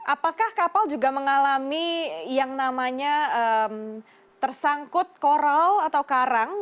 apakah kapal juga mengalami yang namanya tersangkut koral atau karang